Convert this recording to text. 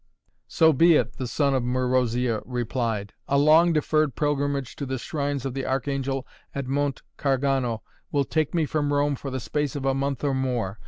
"So be it," the son of Marozia replied. "A long deferred pilgrimage to the shrines of the Archangel at Monte Gargano will take me from Rome for the space of a month or more.